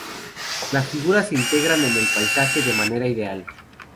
Las figuras se integran en el paisaje de manera ideal.